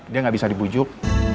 dia nggak bisa dibujuk